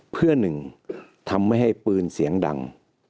เพื่อหนึ่งทำให้ปืนเสียงดัง